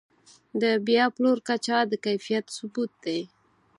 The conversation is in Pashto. د بیا پلور کچه د کیفیت ثبوت دی.